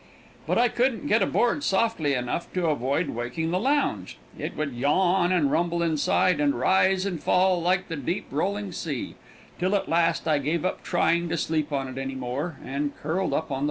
But I couldn't get aboard softly enough to avoid waking the lounge. It would yawn and rumble inside and rise and fall like the deep rolling sea, till at last I gave up trying to sleep on it any more, and curled up on the floor.